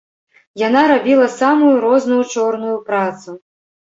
Яна рабіла самую розную чорную працу.